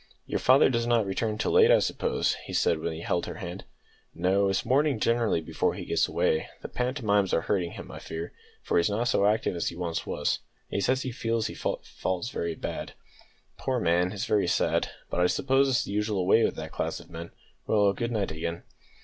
"Your father does not return till late, I suppose?" he said, while he held her hand. "No; it is morning generally before he gets away. The pantomimes are hurting him, I fear, for he's not so active as he once was, and he says he feels the falls very bad." "Poor man! It's very sad; but I suppose it's the usual way with that class of men. Well, goodnight again."